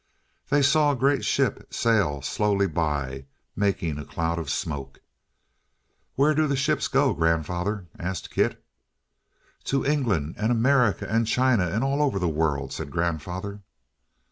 They saw a great ship sail slowly by, making a cloud of smoke. "Where do the ships go, grandfather?" asked Kit. "To England, and America, and China, and all over the world," said grandfather.